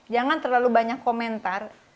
jangan terlalu banyak komentar